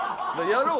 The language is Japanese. やろう。